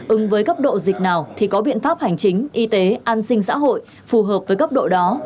ứng với cấp độ dịch nào thì có biện pháp hành chính y tế an sinh xã hội phù hợp với cấp độ đó